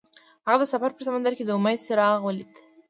هغه د سفر په سمندر کې د امید څراغ ولید.